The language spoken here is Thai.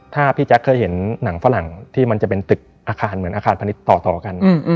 ถ้าพี่แจ๊คเคยเห็นหนังฝรั่งที่มันจะเป็นตึกอาคารเหมือนอาคารพาณิชย์ต่อกัน